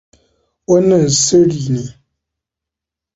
Wannan sirri ne?